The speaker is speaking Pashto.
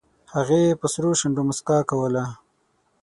هغې په سرو شونډو موسکا کوله